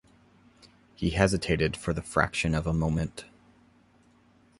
He hesitated for the fraction of a moment.